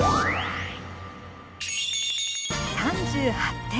３８点。